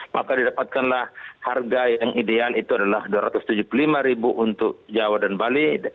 maka didapatkanlah harga yang ideal itu adalah rp dua ratus tujuh puluh lima untuk jawa dan bali